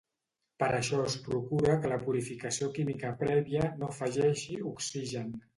Per això es procura que la purificació química prèvia no afegeixi oxigen.